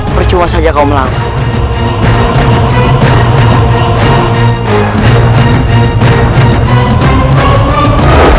percuma saja kau melakukan